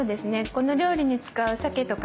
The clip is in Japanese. この料理に使うさけとか